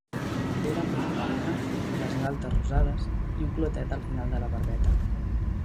Té la pell pàl·lida, les galtes rosades, i un clotet al final de la barbeta.